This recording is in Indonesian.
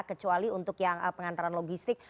kecuali untuk yang pengantaran logistik